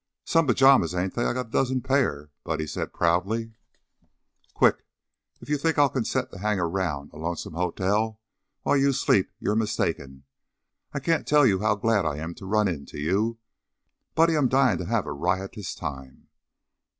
"Some pajamas, ain't they? I got a dozen pairs," Buddy said, proudly. "Quick! If you think I'll consent to hang around a lonesome hotel while you sleep, you're mistaken. I can't tell you how glad I am to run into you, Buddy. I'm dying to have a riotous time."